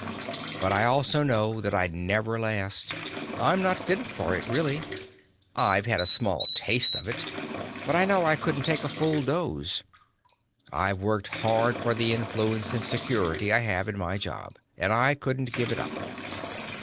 But I also know that I'd never last. I'm not fitted for it, really. I've had a small taste of it, but I know I couldn't take a full dose. I've worked hard for the influence and security I have in my job, and I couldn't give it up.